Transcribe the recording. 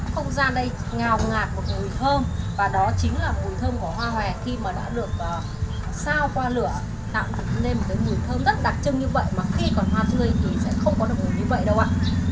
không gian đây ngào ngạt một mùi thơm và đó chính là mùi thơm của hoa hòe khi mà đã được sao qua lửa tạo nên một cái mùi thơm rất đặc trưng như vậy mà khi còn hoa tươi thì sẽ không có được mùi như vậy đâu ạ